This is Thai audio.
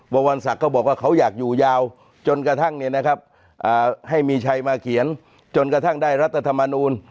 วรรณศักดิ์ก็บอกว่าเขาอยากอยู่ยาวจนกระทั่งให้มีชัยมาเขียนจนกระทั่งได้รัฐธรรมนูล